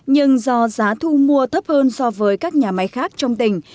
nhưng do giá thu mua thấp hơn so với các nhà máy khác trong tỉnh